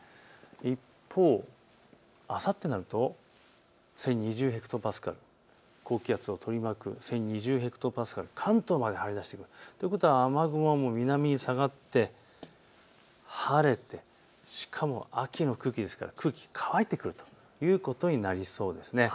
一方、あさってになると１０２０ヘクトパスカル、高気圧を取り巻く１０２０ヘクトパスカル、関東まで張り出してくるということは雨雲は南に下がって晴れて、しかも秋の空気ですから空気が乾いてくるということになりそうです。